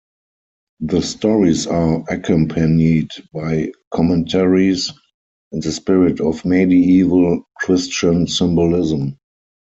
The stories are accompanied by commentaries in the spirit of medieval Christian symbolism.